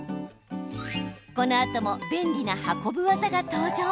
このあとも便利な運ぶ技が登場。